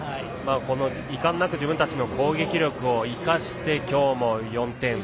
いかんなく自分たちの攻撃力を生かして今日も４点。